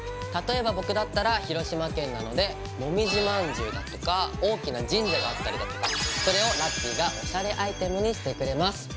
例えば僕だったら広島県なのでもみじまんじゅうだとか大きな神社があったりだとかそれをラッピィがおしゃれアイテムにしてくれます。